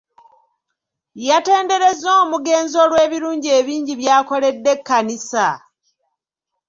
Yatenderezza omugenzi olw'ebirungi ebingi by’akoledde ekkanisa.